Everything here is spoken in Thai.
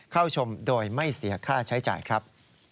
เข้าชมโดยไม่เสียค่าใช้จ่ายครับ